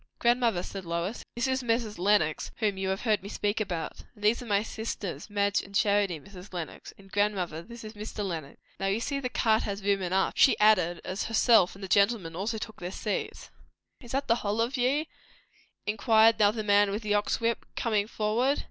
"Grandmother," said Lois, "this is Mrs. Lenox, whom you have heard me speak about. And these are my sisters, Madge and Charity, Mrs. Lenox. And grandmother, this is Mr. Lenox. Now, you see the cart has room enough," she added, as herself and the gentleman also took their seats. "Is that the hull of ye?" inquired now the man with the ox whip, coming forward.